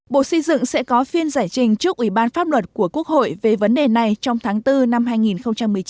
bộ xây dựng sẽ có phiên giải trình trước ủy ban pháp luật của quốc hội về vấn đề này trong tháng bốn năm hai nghìn một mươi chín